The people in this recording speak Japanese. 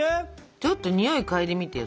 ちょっとにおい嗅いでみてよ。